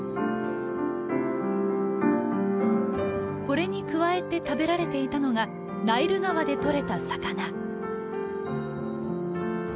これに加えて食べられていたのがナイル川で取れた魚。